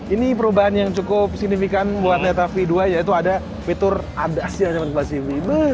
ini perubahan yang cukup signifikan buat leta v dua yaitu ada fitur abdasnya sahabat kompas tv